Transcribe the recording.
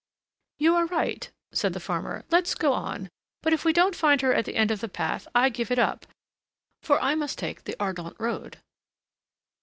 "You are right," said the farmer. "Let's go on but, if we don't find her at the end of the path, I give it up for I must take the Ardentes road."